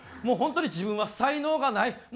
もう本当に自分は才能がない。